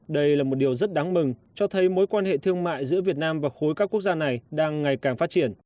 đây là một điều rất đáng mừng cho thấy mối quan hệ thương mại giữa việt nam và khối các quốc gia này đang ngày càng phát triển